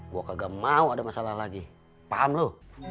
gua kagak mau ada masalah lagi paham lo